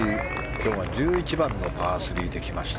今日は１１番のパー３できました。